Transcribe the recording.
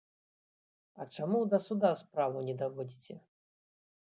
А чаму да суда справу не даводзіце?